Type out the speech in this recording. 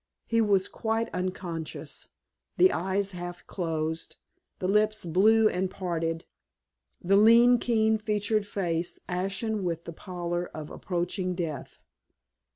He was quite unconscious, the eyes half closed, the lips blue and parted, the lean, keen featured face ashen with the pallor of approaching death.